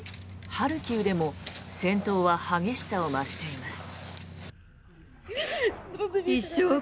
ハルキウでも戦闘は激しさを増しています。